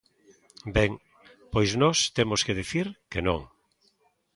Ben, pois nós temos que dicir que non.